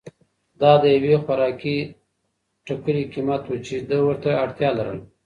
دا د یوې خوراکي ټکلې قیمت و چې ده ورته اړتیا لرله.